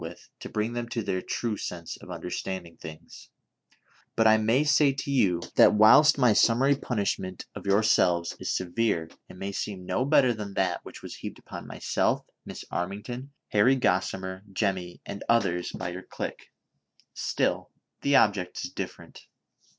235 with to bring them to their true sense of understanding things ; but I may say to you that whilst my summary pun ishment of yourselves is severe, and may seem no better than that which was heaped upon myself, Miss Armington, Harry Gossimer, Jemmy and others by your clique ; still, the object is different.